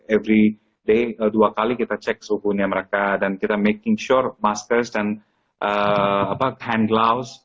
every day dua kali kita cek suhunya mereka dan kita making sure maskers dan hand gloves